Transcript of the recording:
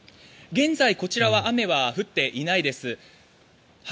現在、こちらは雨は降っていないです。